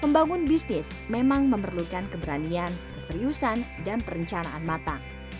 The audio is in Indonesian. membangun bisnis memang memerlukan keberanian keseriusan dan perencanaan matang